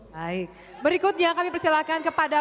baik berikutnya kami persilahkan kepada